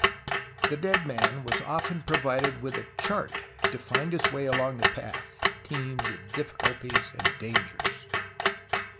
The dead man was often provided w^ith a chart to find his way along the path that teemed with difficulties and dangers.